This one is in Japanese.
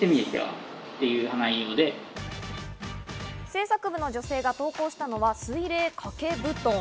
制作部の女性が投稿したのは水冷かけ布団。